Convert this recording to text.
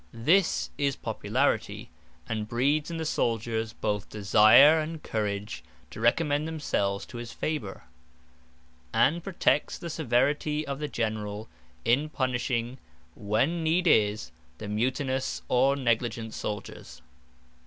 This is Popularity, and breeds in the Souldiers both desire, and courage, to recommend themselves to his favour; and protects the severity of the Generall, in punishing (when need is) the Mutinous, or negligent Souldiers.